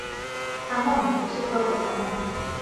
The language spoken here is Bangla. থামুন রসিকবাবু, থামুন।